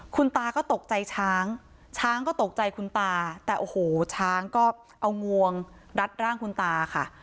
คุณตาก็ตกใจช้างช้างก็ตกใจคุณตาแต่โอ้โหช้างก็เอางวงรัดร่างคุณตาค่ะ